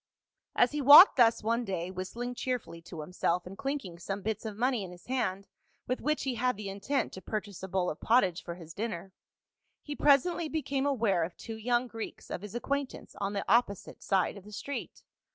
As he walked thus one day, whistHng cheerfully to himself and clinking some bits of money in his hand, with which he had the intent to purchase a bowl of pottage for his dinner, he presently became aware of two young Greeks of his acquaintance on the opposite side of the street.